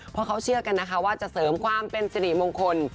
เพราะเขาเชื่อกันนะคะว่าจะเสริมความเป็นสิริมงคล